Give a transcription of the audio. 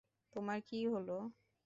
তোমার কী হলো?